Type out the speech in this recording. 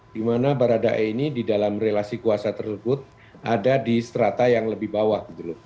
dimana baradae ini di dalam relasi kuasa tersebut ada di serata yang lebih bawah